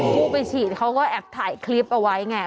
ผู้ไปฉีดเขาก็แอบถ่ายคลิปเอาไว้ไง